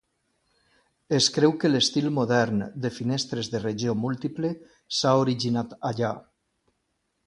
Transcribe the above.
Es creu que l'estil modern de finestres de regió múltiple s'ha originat allà.